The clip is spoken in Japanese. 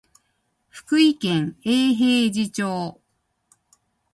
福井県永平寺町